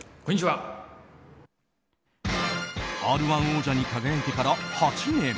王者に輝いてから８年。